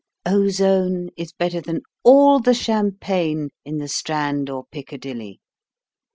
Ozone is better than all the champagne in the Strand or Piccadilly.